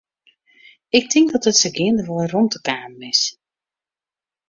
Ik tink dat der sa geandewei rûmte kaam is.